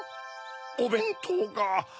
おべんとうが。